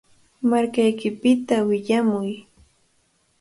Markaykipita willamuy.